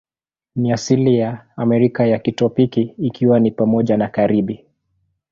Ni asili ya Amerika ya kitropiki, ikiwa ni pamoja na Karibi.